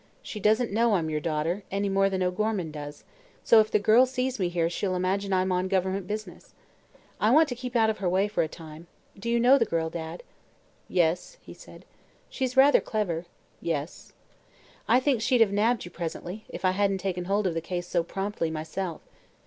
She doesn't know I'm your daughter, any more than O'Gorman does, so if the girl sees me here she'll imagine I'm on Government business. But I want to keep out of her way for a time. Do you know the girl, Dad?" "Yes," he said. "She's rather clever." "Yes." "I think she'd have nabbed you, presently, if I hadn't taken hold of the case so promptly myself.